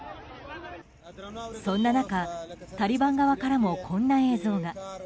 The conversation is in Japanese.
そんな中、タリバン側からもこんな映像が。